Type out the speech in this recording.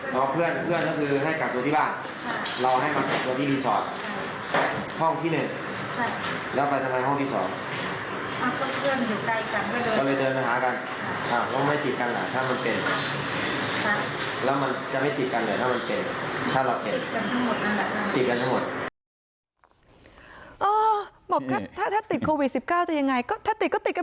น้องเพื่อนเพื่อนก็คือให้กลับตัวที่บ้านรอให้กลับตัวที่รีสอร์ท